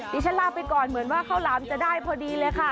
ดิฉันลาไปก่อนเหมือนว่าข้าวหลามจะได้พอดีเลยค่ะ